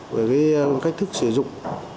với cái cách thức sử dụng